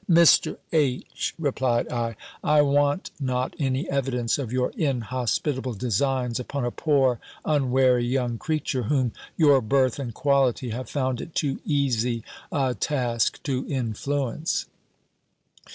"Mr. H.," replied I, "I want not any evidence of your inhospitable designs upon a poor unwary young creature, whom your birth and quality have found it too easy a task to influence."